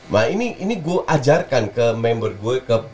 nah ini gue ajarkan ke member gue